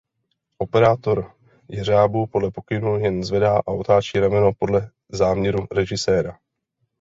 Operátor jeřábu podle pokynů jen zvedá a otáčí rameno podle záměru režiséra.